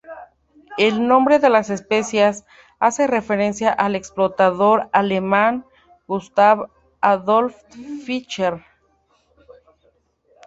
El nombre de la especie hace referencia al explorador alemán Gustav Adolf Fischer.